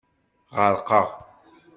Ɣerqeɣ.